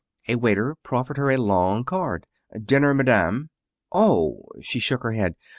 A waiter proffered her a long card. "Dinner, Madame?" "Oh!" She shook her head.